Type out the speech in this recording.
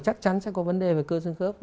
chắc chắn sẽ có vấn đề về cơ sân khớp